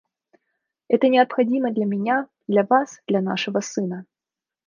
Это необходимо для меня, для вас, для нашего сына.